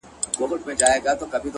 مړ به سم مړى به مي ورك سي گراني -